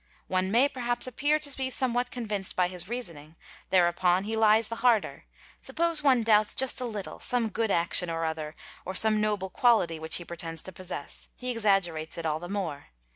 One may perhaps ppear to be somewhat convinced by his reasoning ; thereupon he lies the i sder Suppose one doubts just a little some good action or other or 'some noble quality which he pretends to possess, he exaggerates it all be the more.